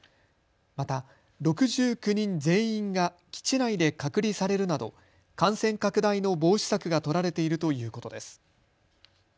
また６９人全員が基地内で隔離されるなど感染拡大の防止策が取られているということです。